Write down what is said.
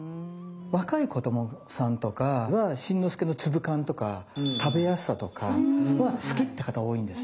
若い子どもさんとかは新之助の粒感とか食べやすさとかは好きって方多いんですよ。